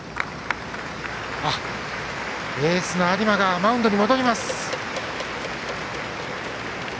エースの有馬がマウンドに戻ります。